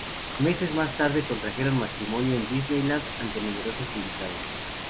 Meses más tarde, contrajeron matrimonio en Disneyland ante numerosos invitados.